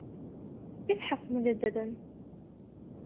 إفحص مُجدداً.